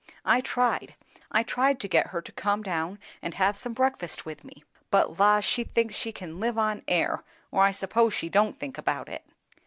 I tried; I tried to get her to come down and have some breakfast with me; but la! she thinks she can live on air; or I suppose she don't think about it."